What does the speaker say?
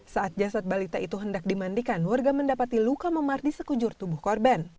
saat jasad balita itu hendak dimandikan warga mendapati luka memar di sekujur tubuh korban